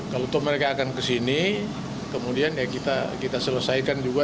kalau mereka akan ke sini kemudian kita selesaikan juga